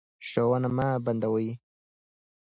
ښوونه مه بندوئ.